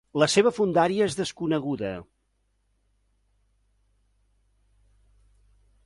La seva fondària és desconeguda.